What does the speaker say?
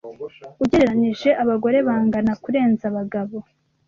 Ugereranije abagore bangana kurenza abagabo